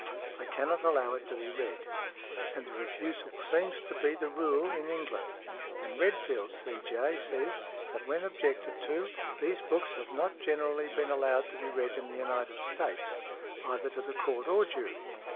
I cannot allow it to be read." And the refusal seems to be the rule in England. And Redfield, C.J., says, that when objected to, these books have not generally been allowed to be read in the United States, either to the Court or jury.